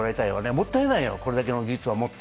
もったいないよ、これだけの技術を持って。